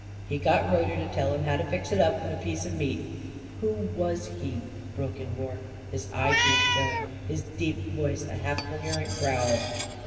He got Reuter to tell him how to fix it up in a piece of meat " "Who was he?" broke in Rorke, his eyeteeth showing, his deep voice a half coherent growl.